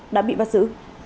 đã bị bắt giữ